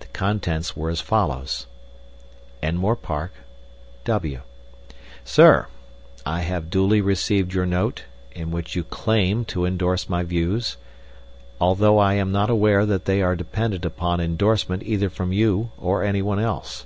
The contents were as follows: "ENMORE PARK, W. "SIR, I have duly received your note, in which you claim to endorse my views, although I am not aware that they are dependent upon endorsement either from you or anyone else.